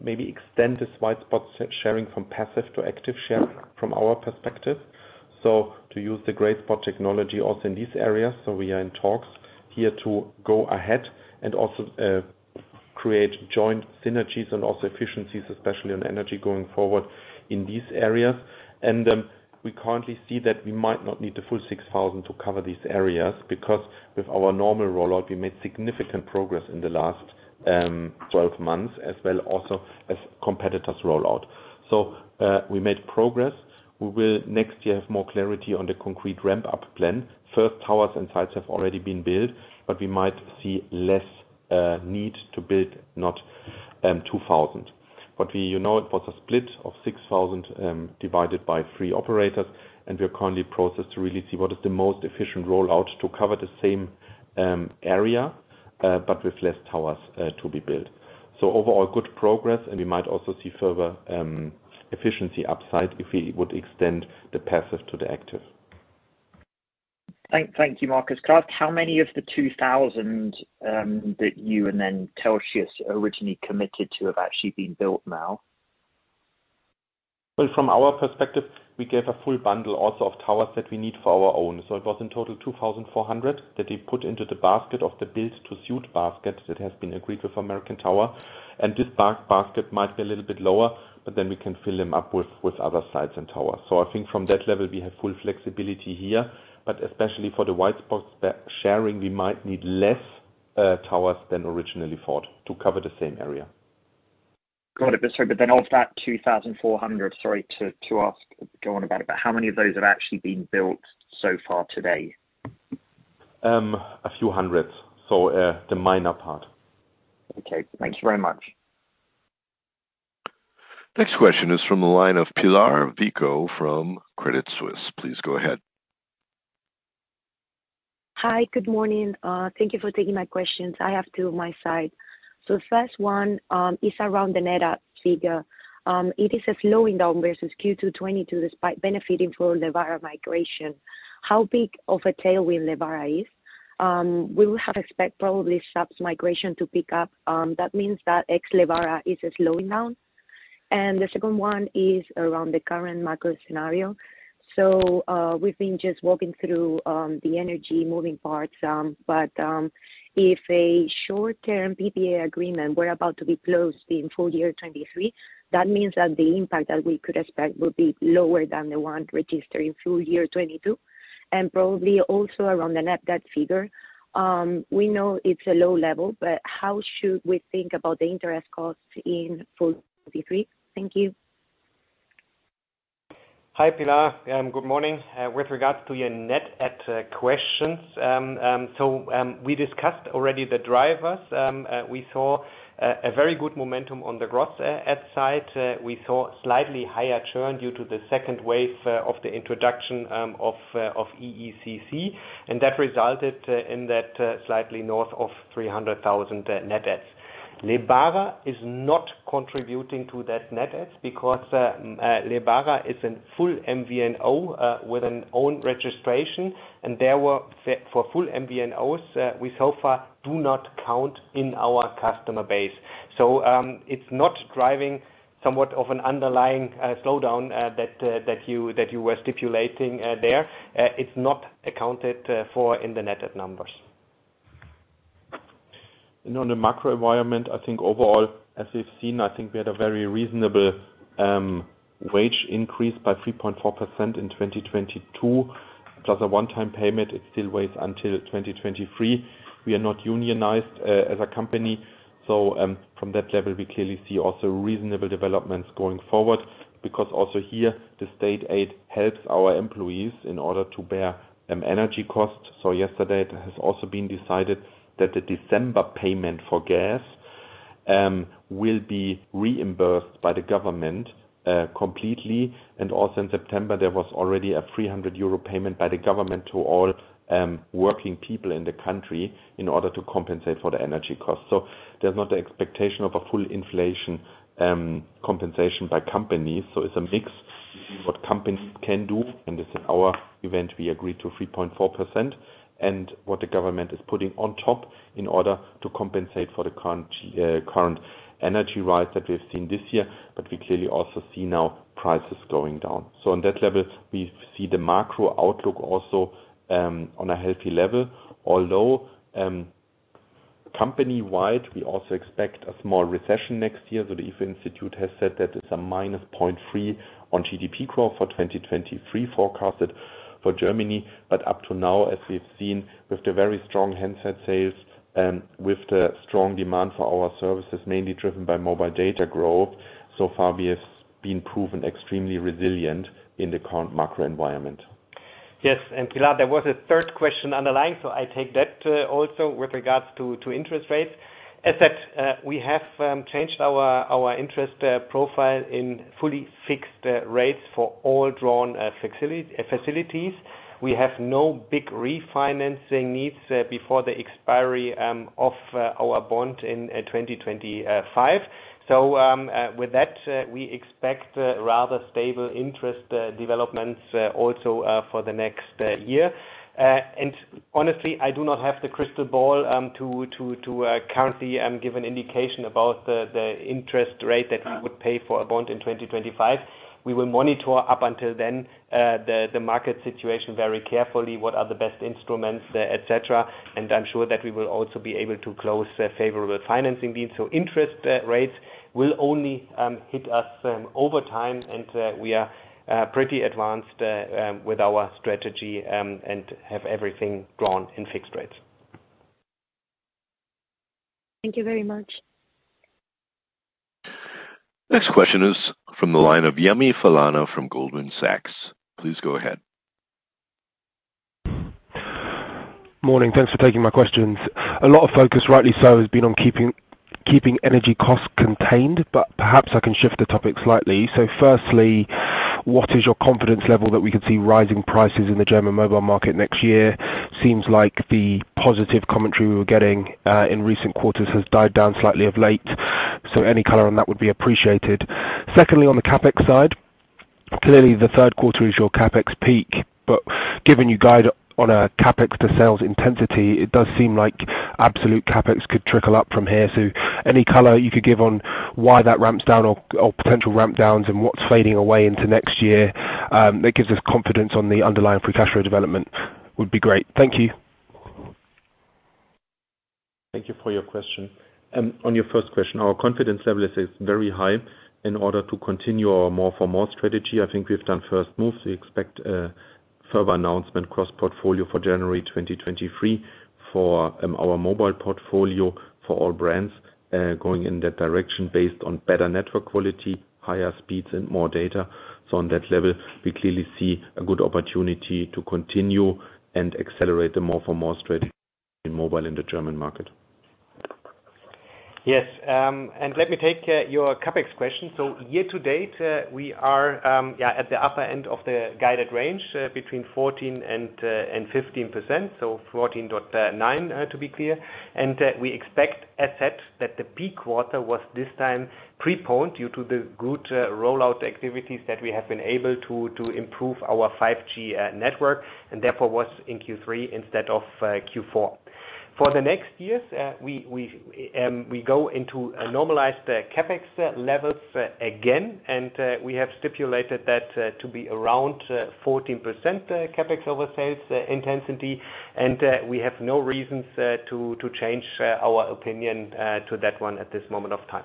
maybe extend this white spot sharing from passive to active share from our perspective. To use the gray spot technology also in these areas, so we are in talks here to go ahead and also create joint synergies and also efficiencies, especially on energy going forward in these areas. We currently see that we might not need the full 6,000 to cover these areas, because with our normal rollout, we made significant progress in the last 12 months, as well also as competitors rollout. We made progress. We will next year have more clarity on the concrete ramp-up plan. First towers and sites have already been built, but we might see less need to build, not 2,000. We, you know, it was a split of 6,000 divided by three operators, and we are currently processing to really see what is the most efficient rollout to cover the same area, but with less towers to be built. So overall, good progress, and we might also see further efficiency upside if we would extend the passive to the active. Thank you, Markus. Can I ask how many of the 2,000 that you and then Telxius originally committed to have actually been built now? Well, from our perspective, we gave a full bundle also of towers that we need for our own. It was in total 2,400 that they put into the basket of the build-to-suit basket that has been agreed with American Tower. This build basket might be a little bit lower, but then we can fill them up with other sites and towers. I think from that level, we have full flexibility here. Especially for the white spots sharing, we might need less towers than originally thought to cover the same area. Got it. Sorry, but then of that 2,400, sorry to ask, go on about it, but how many of those have actually been built so far to date? A few hundred. The minor part. Okay. Thank you very much. Next question is from the line of Pilar Vico from Credit Suisse. Please go ahead. Hi, good morning. Thank you for taking my questions. I have two on my side. The first one is around the net add figure. It is a slowing down versus Q2 2022, despite benefiting from Lebara migration. How big of a tailwind Lebara is? We would have expect probably shops migration to pick up. That means that ex-Lebara is slowing down. The second one is around the current macro scenario. We've been just walking through the energy moving parts. If a short-term PPA agreement were about to be closed in full year 2023, that means that the impact that we could expect would be lower than the one registered in full year 2022. Probably also around the net debt figure. We know it's a low level, but how should we think about the interest costs in full 2023? Thank you. Hi, Pilar, good morning. With regards to your net add questions. We discussed already the drivers. We saw a very good momentum on the gross add side. We saw slightly higher churn due to the second wave of the introduction of EECC, and that resulted in slightly north of 300,000 net adds. Lebara is not contributing to that net adds because Lebara is a full MVNO with an own registration, and for full MVNOs, we so far do not count in our customer base. It's not driving somewhat of an underlying slowdown that you were stipulating there. It's not accounted for in the net add numbers. On the macro environment, I think overall, as we've seen, I think we had a very reasonable wage increase by 3.4% in 2022, plus a one-time payment. It still waits until 2023. We are not unionized, as a company. From that level, we clearly see also reasonable developments going forward because also here, the state aid helps our employees in order to bear energy costs. Yesterday, it has also been decided that the December payment for gas will be reimbursed by the government, completely. Also in September, there was already a 300 euro payment by the government to all working people in the country in order to compensate for the energy costs. There's not the expectation of a full inflation compensation by companies. It's a mix. What companies can do, and this in our event, we agreed to 3.4%, and what the government is putting on top in order to compensate for the current energy rise that we've seen this year, but we clearly also see now prices going down. On that level, we see the macro outlook also on a healthy level, although company-wide, we also expect a small recession next year. The institute has said that it's -0.3% on GDP growth for 2023 forecasted for Germany. Up to now, as we've seen with the very strong handset sales and with the strong demand for our services, mainly driven by mobile data growth, so far we have been proven extremely resilient in the current macro environment. Yes, Pilar, there was a third question underlying, so I take that also with regards to interest rates. As said, we have changed our interest profile in fully fixed rates for all drawn facilities. We have no big refinancing needs before the expiry of our bond in 2025. With that, we expect rather stable interest developments also for the next year. Honestly, I do not have the crystal ball to currently give an indication about the interest rate that we would pay for a bond in 2025. We will monitor up until then the market situation very carefully, what are the best instruments, et cetera, and I'm sure that we will also be able to close a favorable financing deal. Interest rates will only hit us over time, and we are pretty advanced with our strategy and have everything drawn in fixed rates. Thank you very much. Next question is from the line of Yemi Falana from Goldman Sachs. Please go ahead. Morning. Thanks for taking my questions. A lot of focus, rightly so, has been on keeping energy costs contained, but perhaps I can shift the topic slightly. Firstly, what is your confidence level that we could see rising prices in the German mobile market next year? Seems like the positive commentary we were getting in recent quarters has died down slightly of late, so any color on that would be appreciated. Secondly, on the CapEx side, clearly the third quarter is your CapEx peak, but given you guide on a CapEx to sales intensity, it does seem like absolute CapEx could trickle up from here. Any color you could give on why that ramps down or potential ramp downs and what's fading away into next year, that gives us confidence on the underlying free cash flow development would be great. Thank you. Thank you for your question. On your first question, our confidence level is very high. In order to continue our more for more strategy, I think we've done first moves. We expect a further announcement cross-portfolio for January 2023 for our mobile portfolio for all brands, going in that direction based on better network quality, higher speeds and more data. On that level, we clearly see a good opportunity to continue and accelerate the more for more strategy in mobile in the German market. Yes, let me take your CapEx question. Year to date, we are at the upper end of the guided range, between 14%-15%, so 14.9%, to be clear. We expect that the peak quarter was this time preponed due to the good rollout activities that we have been able to improve our 5G network, and therefore was in Q3 instead of Q4. For the next years, we go into normalized CapEx levels again, and we have stipulated that to be around 14% CapEx over sales intensity. We have no reasons to change our opinion to that one at this moment of time.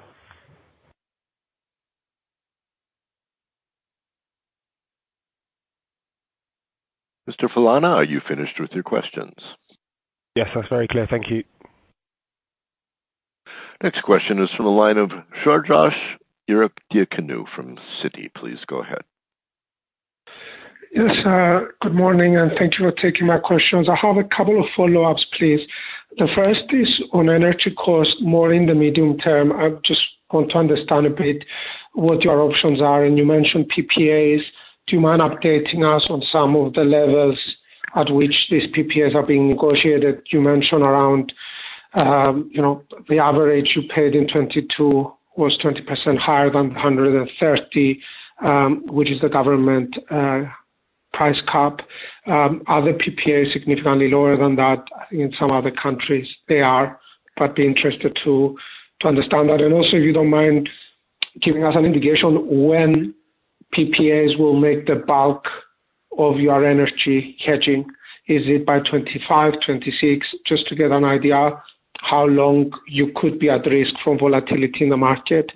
Mr. Falana, are you finished with your questions? Yes, that's very clear. Thank you. Next question is from the line of Georgios Ierodiaconou from Citi. Please go ahead. Yes, good morning, and thank you for taking my questions. I have a couple of follow-ups, please. The first is on energy costs more in the medium term. I just want to understand a bit what your options are, and you mentioned PPAs. Do you mind updating us on some of the levels at which these PPAs are being negotiated? You mentioned around, you know, the average you paid in 2022 was 20% higher than 130, which is the government price cap. Are the PPAs significantly lower than that? I think in some other countries they are, but I'd be interested to understand that. Also, if you don't mind giving us an indication when PPAs will make the bulk of your energy hedging. Is it by 2025, 2026? Just to get an idea how long you could be at risk from volatility in the market.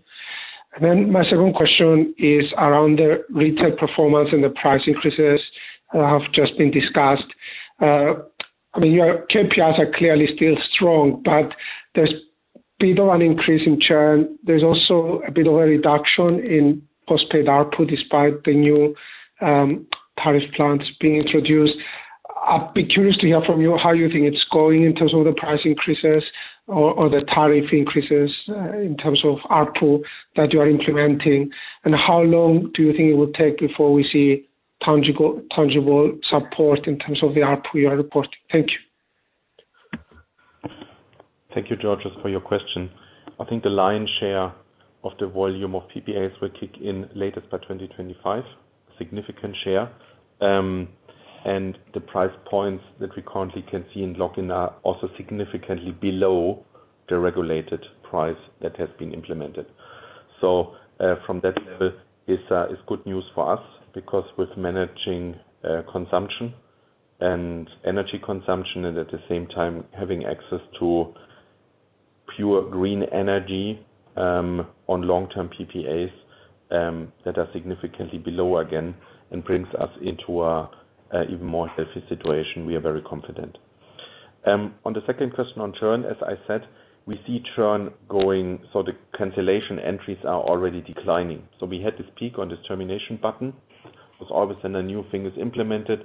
My second question is around the retail performance and the price increases that have just been discussed. I mean, your KPIs are clearly still strong, but there's been an increase in churn. There's also a bit of a reduction in postpaid ARPU despite the new, tariff plans being introduced. I'd be curious to hear from you how you think it's going in terms of the price increases or the tariff increases, in terms of ARPU that you are implementing, and how long do you think it will take before we see tangible support in terms of the ARPU you are reporting? Thank you. Thank you, Georgios, for your question. I think the lion's share of the volume of PPAs will kick in latest by 2025, significant share. The price points that we currently can see and lock in are also significantly below the regulated price that has been implemented. From that level, it's good news for us, because with managing consumption and energy consumption and at the same time having access to pure green energy on long-term PPAs that are significantly below again and brings us into a even more healthy situation, we are very confident. On the second question on churn, as I said, we see churn going, so the cancellation entries are already declining. We had this peak on this termination, but then, because always when a new thing is implemented,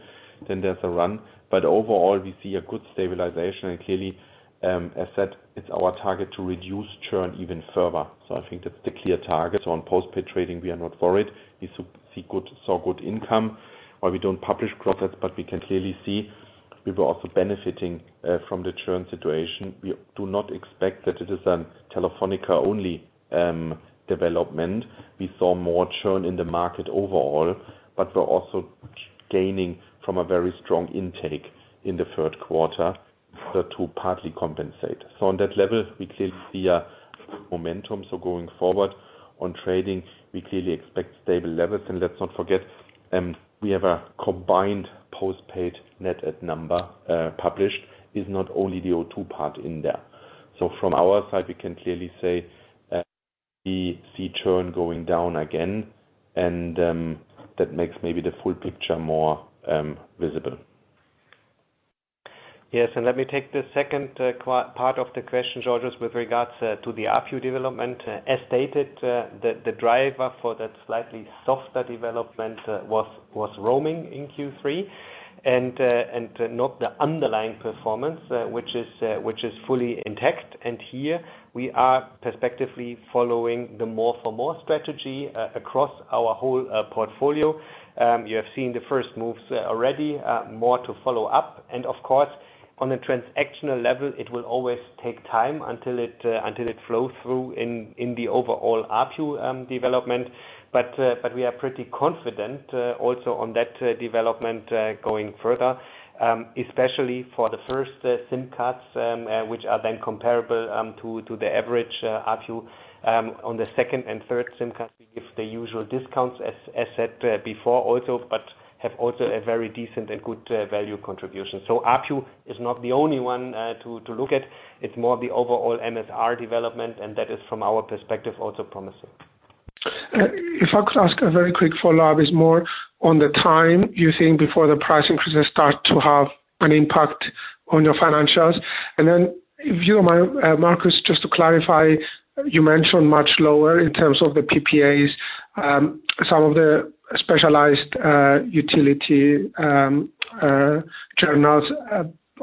then there's a run. Overall, we see a good stabilization. Clearly, as said, it's our target to reduce churn even further. I think that's the clear target. On post-pay trading, we are not worried. We see good, saw good income. While we don't publish profits, but we can clearly see we were also benefiting from the churn situation. We do not expect that it is a Telefónica-only development. We saw more churn in the market overall, but we're also gaining from a very strong intake in the third quarter, so to partly compensate. On that level, we clearly see a momentum. Going forward on trading, we clearly expect stable levels. Let's not forget, we have a combined post-paid net add number published. It's not only the O2 part in there. From our side, we can clearly say we see churn going down again, and that makes maybe the full picture more visible. Yes, let me take the second part of the question, Georgios, with regards to the ARPU development. As stated, the driver for that slightly softer development was roaming in Q3 and not the underlying performance, which is fully intact. Here we are prospectively following the more for more strategy across our whole portfolio. You have seen the first moves already, more to follow up. Of course, on the transactional level, it will always take time until it flows through in the overall ARPU development. We are pretty confident also on that development going further, especially for the first SIM cards, which are then comparable to the average ARPU. On the second and third SIM cards, we give the usual discounts, as said before also, but have also a very decent and good value contribution. ARPU is not the only one to look at. It's more the overall MSR development, and that is from our perspective, also promising. If I could ask a very quick follow-up, is more on the time you think before the price increases start to have an impact on your financials. If you or Markus, just to clarify, you mentioned much lower in terms of the PPAs. Some of the specialized utility journals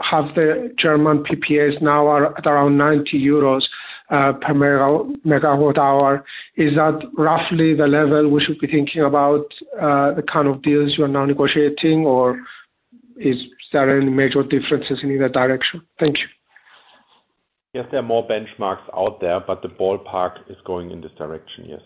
have the German PPAs now are at around 90 euros per megawatt hour. Is that roughly the level we should be thinking about, the kind of deals you are now negotiating, or is there any major differences in either direction? Thank you. Yes, there are more benchmarks out there, but the ballpark is going in this direction, yes.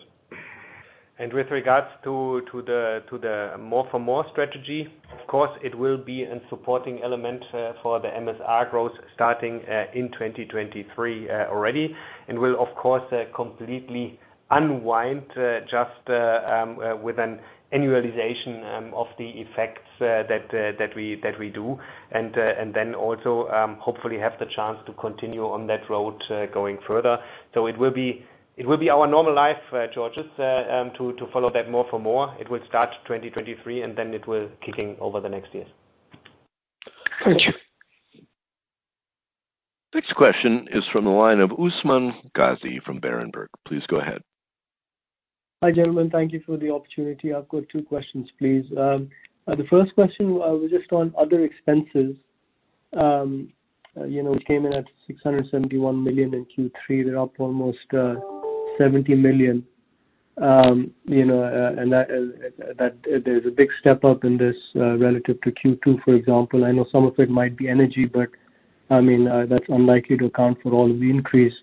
With regards to the more for more strategy, of course, it will be a supporting element for the MSR growth starting in 2023 already. Will, of course, completely unwind just with an annualization of the effects that we do. Then also hopefully have the chance to continue on that road going further. It will be our normal life, Georgios, to follow that more for more. It will start 2023, and then it will kick in over the next years. Thank you. Next question is from the line of Usman Ghazi from Berenberg. Please go ahead. Hi, gentlemen. Thank you for the opportunity. I've got two questions, please. The first question was just on other expenses. You know, it came in at 671 million in Q3. They're up almost 70 million. You know, and that there's a big step up in this relative to Q2, for example. I know some of it might be energy, but I mean, that's unlikely to account for all of the increase.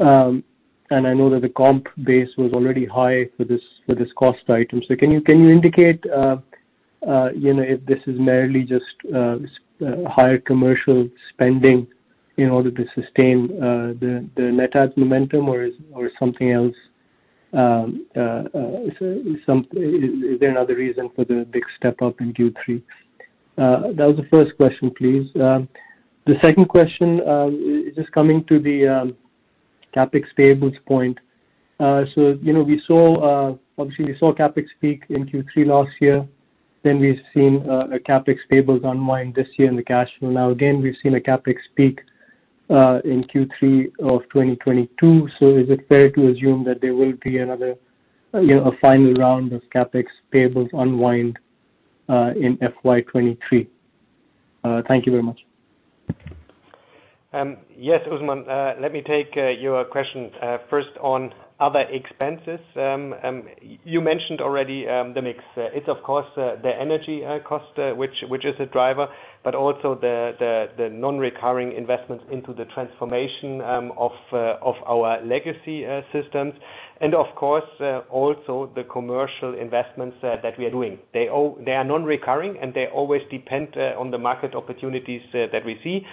And I know that the comp base was already high for this cost item. So can you indicate you know, if this is merely just higher commercial spending in order to sustain the net add momentum or is something else? Is there another reason for the big step up in Q3? That was the first question, please. The second question is just coming to the CapEx payables point. You know, we saw, obviously, CapEx peak in Q3 last year. We've seen a CapEx payables unwind this year in the cash flow. Now, again, we've seen a CapEx peak in Q3 of 2022. Is it fair to assume that there will be another, you know, a final round of CapEx payables unwind in FY 2023? Thank you very much. Yes, Usman, let me take your question first on other expenses. You mentioned already the mix. It's of course the energy cost, which is a driver, but also the non-recurring investments into the transformation of our legacy systems, and of course also the commercial investments that we are doing. They are non-recurring, and they always depend on the market opportunities that we see.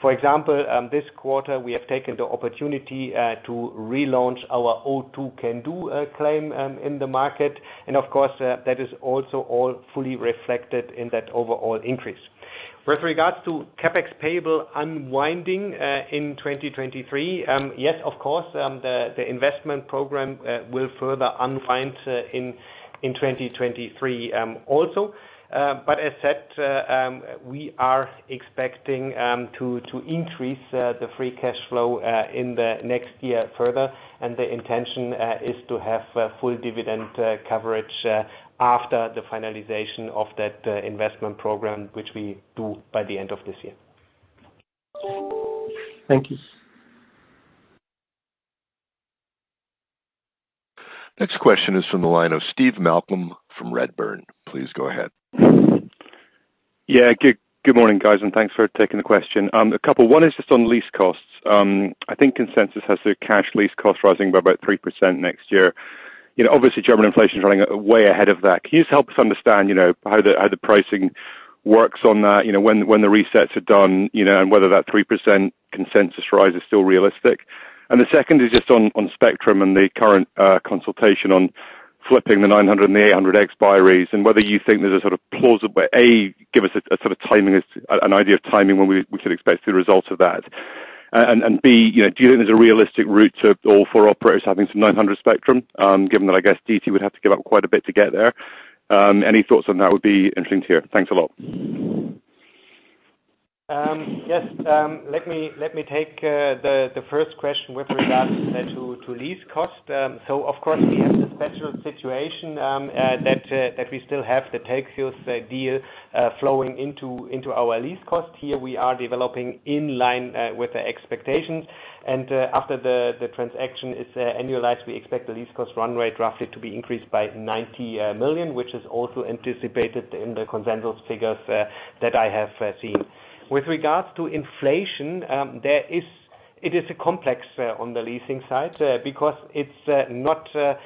For example, this quarter, we have taken the opportunity to relaunch our O2 can do claim in the market, and of course that is also all fully reflected in that overall increase. With regards to CapEx payable unwinding in 2023, yes, of course, the investment program will further unwind in 2023 also. As said, we are expecting to increase the free cash flow in the next year further, and the intention is to have a full dividend coverage after the finalization of that investment program, which we do by the end of this year. Thank you. Next question is from the line of Steve Malcolm from Redburn. Please go ahead. Good morning, guys, and thanks for taking the question. A couple. One is just on lease costs. I think consensus has the cash lease cost rising by about 3% next year. You know, obviously, German inflation is running way ahead of that. Can you just help us understand, you know, how the pricing works on that? You know, when the resets are done, you know, and whether that 3% consensus rise is still realistic. The second is just on spectrum and the current consultation on flipping the 900 and the 800 expiries and whether you think there's a sort of plausible. Give us a sort of timing, an idea of timing when we could expect the results of that. A and B, you know, do you think there's a realistic route to all four operators having some 900 spectrum, given that I guess DT would have to give up quite a bit to get there. Any thoughts on that would be interesting to hear. Thanks a lot. Yes. Let me take the first question with regards to lease cost. So of course we have the special situation that we still have the Telxius deal flowing into our lease costs. Here we are developing in line with the expectations. After the transaction is annualized, we expect the lease cost run rate roughly to be increased by 90 million, which is also anticipated in the consensus figures that I have seen. With regards to inflation, it is a complex on the leasing side because it's not that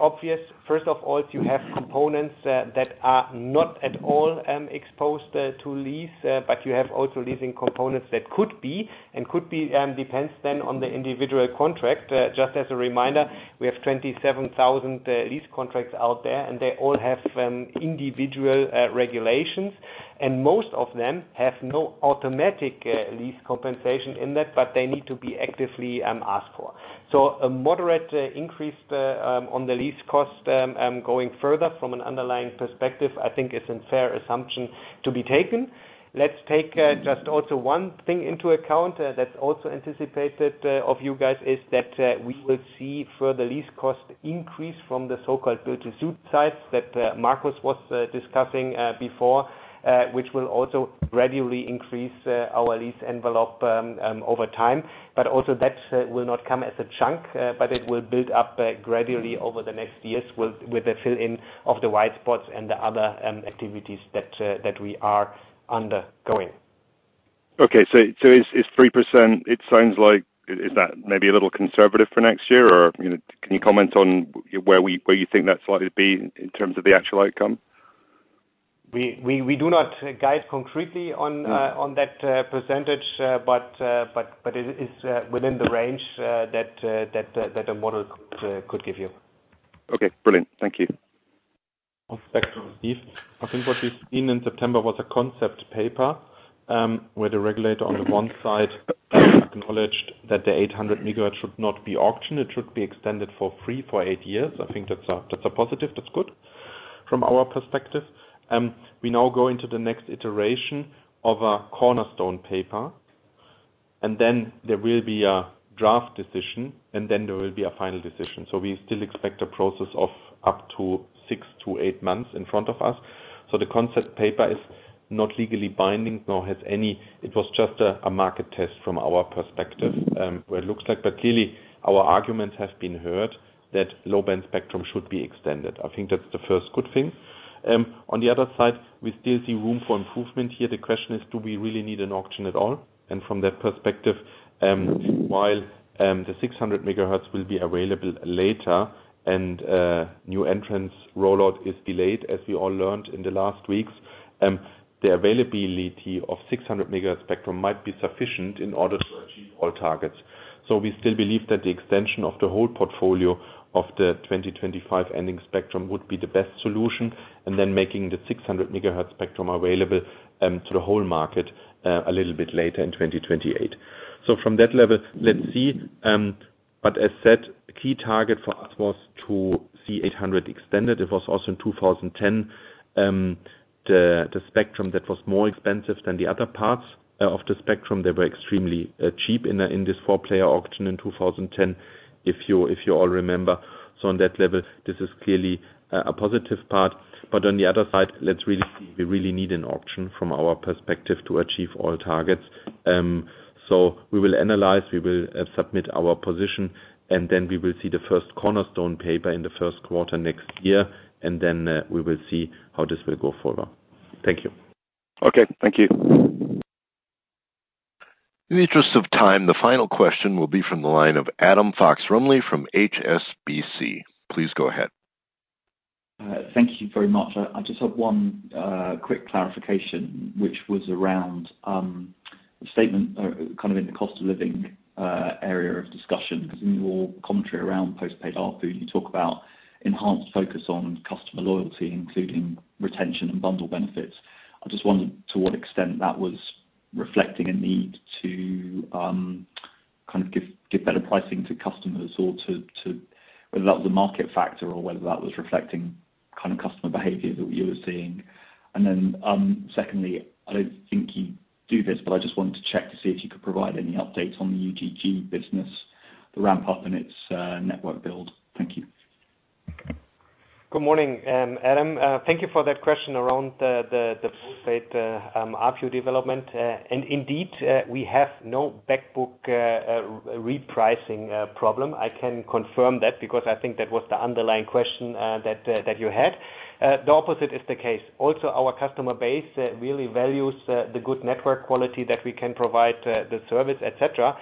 obvious. First of all, you have components that are not at all exposed to lease, but you have also leasing components that could be, depends then on the individual contract. Just as a reminder, we have 27,000 lease contracts out there, and they all have individual regulations, and most of them have no automatic lease compensation in that, but they need to be actively asked for. A moderate increase on the lease cost, going further from an underlying perspective, I think is a fair assumption to be taken. Let's take just also one thing into account, that's also anticipated of you guys, is that we will see further lease cost increase from the so-called build-to-suit sites that Markus was discussing before, which will also gradually increase our lease envelope over time. Also that will not come as a chunk, but it will build up gradually over the next years with the fill in of the white spots and the other activities that we are undergoing. Okay. Is 3% it sounds like. Is that maybe a little conservative for next year? Or, you know, can you comment on where you think that's likely to be in terms of the actual outcome? We do not guide concretely on that percentage, but it is within the range that the model could give you. Okay, brilliant. Thank you. On spectrum, Steve, I think what we've seen in September was a concept paper, where the regulator on the one side acknowledged that the 800 MHz should not be auctioned, it should be extended for free for eight years. I think that's a positive, that's good from our perspective. We now go into the next iteration of a cornerstone paper, and then there will be a draft decision, and then there will be a final decision. We still expect a process of up to six-eight months in front of us. The concept paper is not legally binding. It was just a market test from our perspective, where it looks like. Clearly, our arguments have been heard that low-band spectrum should be extended. I think that's the first good thing. On the other side, we still see room for improvement here. The question is, do we really need an auction at all? From that perspective, while the 600 MHz will be available later and new entrants' rollout is delayed, as we all learned in the last weeks, the availability of 600 MHz spectrum might be sufficient in order to achieve all targets. We still believe that the extension of the whole portfolio of the 2025 ending spectrum would be the best solution, and then making the 600 MHz spectrum available to the whole market a little bit later in 2028. From that level, let's see. As said, key target for us was The 800 extended. It was also in 2010 the spectrum that was more expensive than the other parts of the spectrum. They were extremely cheap in this four-player auction in 2010, if you all remember. On that level, this is clearly a positive part. On the other side, let's really see. We really need an option from our perspective to achieve all targets. We will analyze and submit our position, and then we will see the first cornerstone paper in the first quarter next year, and then we will see how this will go further. Thank you. Okay. Thank you. In the interest of time, the final question will be from the line of Adam Fox-Rumley from HSBC. Please go ahead. Thank you very much. I just have one quick clarification, which was around the statement kind of in the cost of living area of discussion. Because in your commentary around post-paid ARPU, you talk about enhanced focus on customer loyalty, including retention and bundle benefits. I just wondered to what extent that was reflecting a need to kind of give better pricing to customers or whether that was a market factor or whether that was reflecting kind of customer behavior that you were seeing. Secondly, I don't think you'd do this, but I just wanted to check to see if you could provide any updates on the OGG business, the ramp-up and its network build. Thank you. Good morning, Adam. Thank you for that question around the post-paid ARPU development. Indeed, we have no back book repricing problem. I can confirm that because I think that was the underlying question that you had. The opposite is the case. Also, our customer base really values the good network quality that we can provide, the service, et cetera.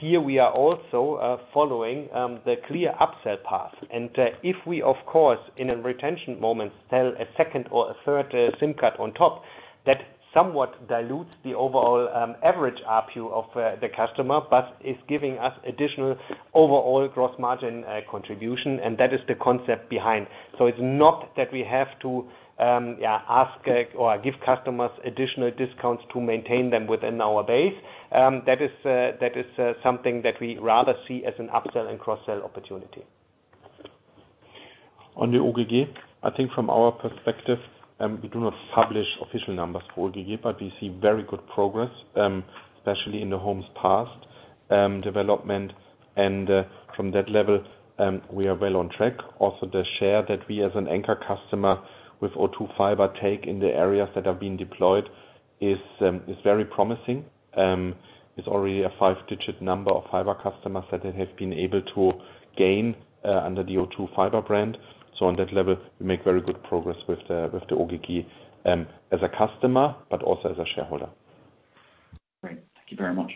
Here we are also following the clear upsell path. If we of course in a retention moment sell a second or a third SIM card on top, that somewhat dilutes the overall average ARPU of the customer, but is giving us additional overall gross margin contribution, and that is the concept behind. It's not that we have to ask or give customers additional discounts to maintain them within our base. That is something that we rather see as an upsell and cross-sell opportunity. On the OGG, I think from our perspective, we do not publish official numbers for OGG, but we see very good progress, especially in the homes passed development. From that level, we are well on track. Also, the share that we as an anchor customer with O2 fiber take in the areas that have been deployed is very promising. It's already a five-digit number of fiber customers that they have been able to gain under the O2 fiber brand. On that level, we make very good progress with the OGG as a customer, but also as a shareholder. Great. Thank you very much.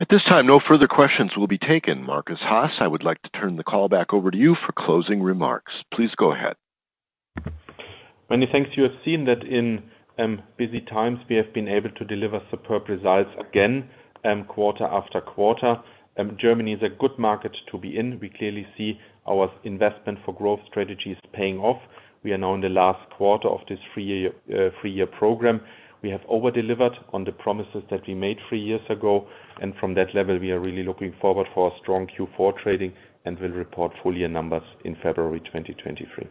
At this time, no further questions will be taken. Markus Haas, I would like to turn the call back over to you for closing remarks. Please go ahead. Many thanks. You have seen that in busy times we have been able to deliver superb results again, quarter after quarter. Germany is a good market to be in. We clearly see our Investment for Growth strategy is paying off. We are now in the last quarter of this three-year program. We have over-delivered on the promises that we made thr years ago, and from that level we are really looking forward for a strong Q4 trading and will report full year numbers in February 2023.